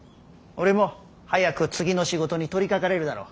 俺も早く次の仕事に取りかかれるだろ。